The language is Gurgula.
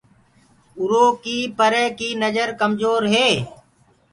اُرو ڪي پري ڪي نجر ڪمجور هي۔